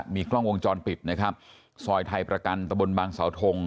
มีกล้องวงจรปิดนะครับซอยไทยประกันตะบนบางเสาทง